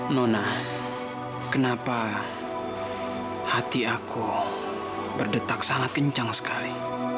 nona kenapa hati aku berdetak sangat kencang sekali